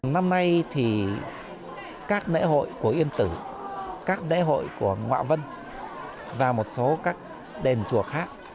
năm nay thì các lễ hội của yên tử các lễ hội của ngoạ vân và một số các đền chùa khác